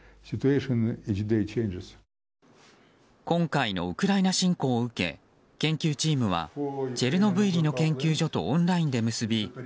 今回のウクライナ侵攻を受け研究チームはチェルノブイリの研究所とオンラインで結び